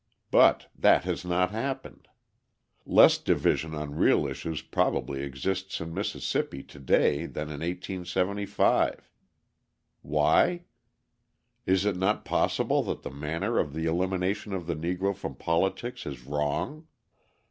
But that has not happened; less division on real issues probably exists in Mississippi to day than in 1875. Why? Is it not possible that the manner of the elimination of the Negro from politics is wrong?